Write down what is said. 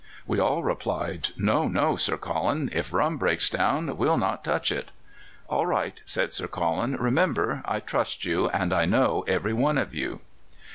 "We all replied: 'No, no, Sir Colin; if rum breaks down, we'll not touch it.' "'All right,' said Sir Colin, 'remember! I trust you, and I know every one of you.